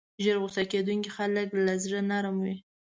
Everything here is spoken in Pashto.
ژر غصه کېدونکي خلک له زړه نرم وي.